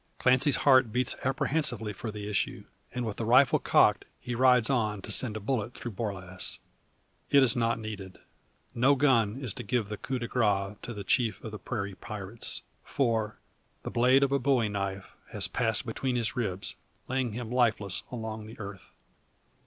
Clancy's heart beats apprehensively for the issue; and with rifle cocked, he rides on to send a bullet through Borlasse. It is not needed. No gun is to give the coup de grace to the chief of the prairie pirates. For, the blade of a bowie knife has passed between his ribs, laying him lifeless along the earth.